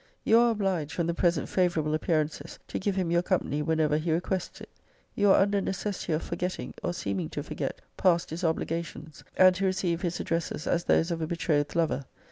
'You are obliged, from the present favourable >>> appearances, to give him your company whenever he requests it. You are under a necessity of for getting, or seeming to forget, past disobligations; and to receive his addresses as those of a betrothed lover.